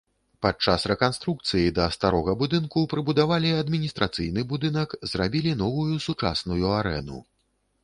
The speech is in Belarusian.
Падчас рэканструкцыі да старога будынку прыбудавалі адміністрацыйны будынак, зрабілі новую сучасную арэну.